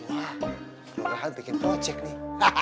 wah orang orang bikin projek nih